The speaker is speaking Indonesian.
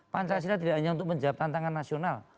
pancasila tidak hanya untuk menjawab tantangan nasional